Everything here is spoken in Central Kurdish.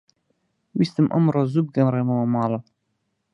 ویستم ئەمڕۆ زوو بگەڕێمەوە ماڵ.